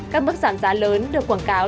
các mức giảm giá lớn được quảng cáo